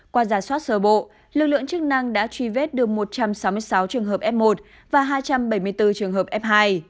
qua giả soát sơ bộ lực lượng chức năng đã truy vết được một trăm sáu mươi sáu trường hợp f một và hai trăm bảy mươi bốn trường hợp f hai